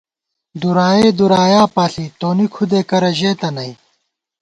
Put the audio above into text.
دُرائےدُرایا پاݪی تونی کھُدے کرہ ژېتہ نئ